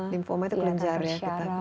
lymphoma itu kelenjar ya